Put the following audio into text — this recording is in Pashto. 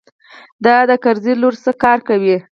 دا د کرزي لور څه کار کوي.